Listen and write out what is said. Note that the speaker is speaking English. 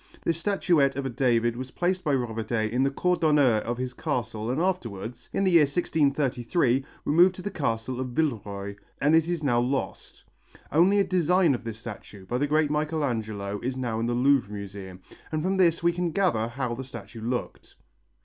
This statuette of a David was placed by Robertet in the cour d'honneur of his castle and afterwards, in the year 1633, removed to the castle of Villeroy, and it is now lost. Only a design of this statue, by the great Michelangelo, is now in the Louvre Museum, and from this we can gather how the statue looked.